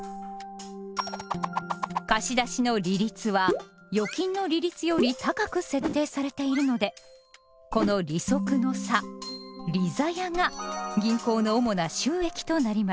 貸し出しの「利率」は預金の利率より高く設定されているのでこの利息の差「利ざや」が銀行の主な収益となります。